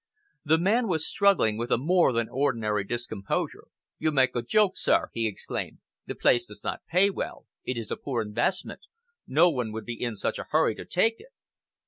The man was struggling with a more than ordinary discomposure. "You make a joke, sir!" he exclaimed. "The place does not pay well. It is a poor investment. No one would be in such a hurry to take it."